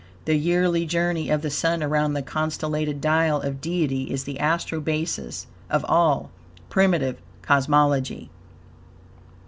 The yearly journey of the Sun around the constellated dial of Deity is the Astro basis of all primitive cosmology.